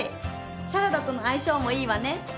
サラダとの相性もいいわね。